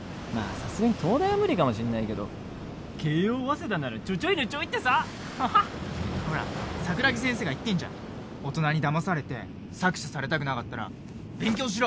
さすがに東大は無理かもしんないけど慶応早稲田ならチョチョイノチョイってさほら桜木先生が言ってんじゃん大人にだまされて搾取されたくなかったら勉強しろ！